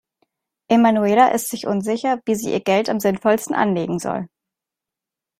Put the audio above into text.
Emanuela ist sich unsicher, wie sie ihr Geld am sinnvollsten anlegen soll.